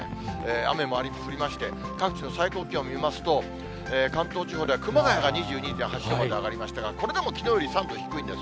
雨も降りまして、各地の最高気温を見ますと、関東地方では熊谷が２２．８度まで上がりましたが、これでもきのうより３度低いんです。